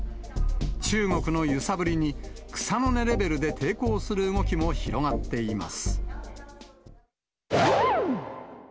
中国の揺さぶりに草の根レベルで抵抗する動きも広がっています。